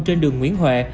trên đường nguyễn huệ